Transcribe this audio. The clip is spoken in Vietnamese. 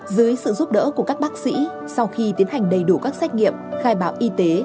dưới sự giúp đỡ của các bác sĩ sau khi tiến hành đầy đủ các xét nghiệm khai báo y tế